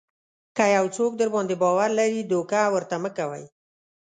که یو څوک درباندې باور لري دوکه ورته مه کوئ.